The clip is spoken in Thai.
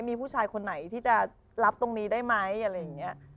มีผู้ชายคนไหนที่จะรับตรงนี้ได้ไหมอะไรอย่างนี้